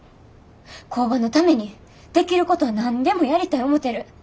工場のためにできることは何でもやりたい思てる。